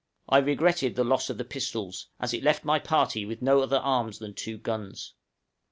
I regretted the loss of the pistols, as it left my party with no other arms than two guns.